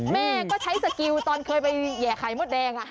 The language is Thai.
แม่ก็ใช้สกิลตอนเคยไปแห่ไข่มดแดง